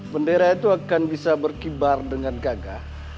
bendera itu akan bisa berkibar dengan gagah